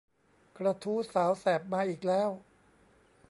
กระทู้สาวแสบมาอีกแล้ว